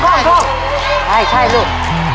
ใช่ใช่ลูก